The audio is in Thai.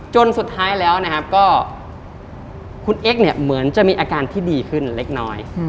จนสุดท้ายแล้วนะครับก็คุณเอ็กซ์เนี่ยเหมือนจะมีอาการที่ดีขึ้นเล็กน้อย